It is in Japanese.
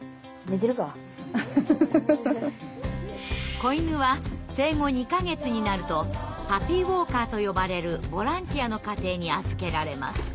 子犬は生後２か月になるとパピーウォーカーと呼ばれるボランティアの家庭に預けられます。